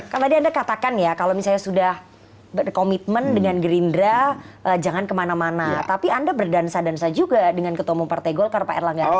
kan tadi anda katakan ya kalau misalnya sudah berkomitmen dengan gerindra jangan kemana mana tapi anda berdansa dansa juga dengan ketua umum partai golkar pak erlangga